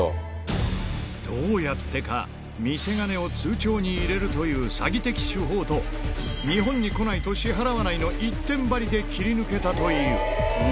どうやってか、見せ金を通帳に入れるという詐欺的手法と、日本に来ないと支払わないの一点張りで切り抜けたという。